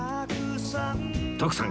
徳さん